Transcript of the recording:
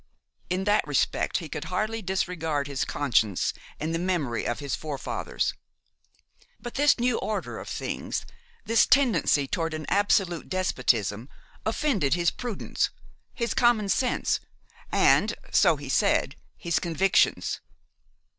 In that respect he could hardly disregard his conscience and the memory of his forefathers. But this new order of things, this tendency toward an absolute despotism, offended his prudence, his common sense, and, so he said, his convictions.